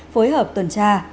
phối hợp tuần tra